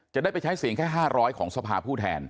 จะได้ไปใช้เสียงแค่ห้าร้อยของทรภาพผู้แทน